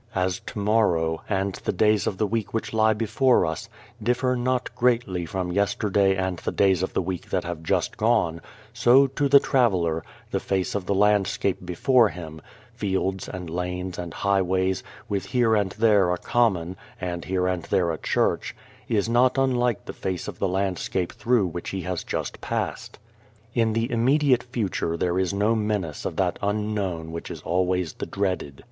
As to morrow, and the days of the week which lie before us, differ not greatly from yesterday and the days of the week that have just gone, so, to the traveller, the face of the landscape before him fields and lanes and highways, with here and there a common, and here and there a church is not unlike the face of the land scape through which he has just passed. In the immediate future there is no menace of that Unknown which is always the dreaded.